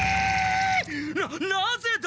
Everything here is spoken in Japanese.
ななぜだ！？